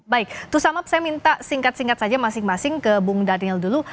baik bu samap saya minta singkat singkat saja masing masing ke bung daniel dulu